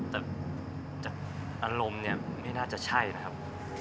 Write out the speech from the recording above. แต่จากอารมณ์เนี่ยไม่น่าจะใช่นะครับ